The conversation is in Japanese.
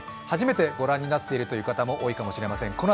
初めて御覧になっている方も多いかもしれません。